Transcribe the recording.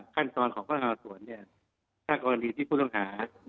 ขั้นสอนของการออกส่วนเนี่ยถ้าวการดีที่ผู้สงหา